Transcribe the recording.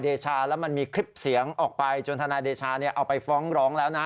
เดชาแล้วมันมีคลิปเสียงออกไปจนทนายเดชาเอาไปฟ้องร้องแล้วนะ